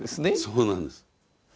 そうなんです。